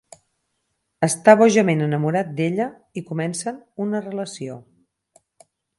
Està bojament enamorat d'ella i comencen una relació.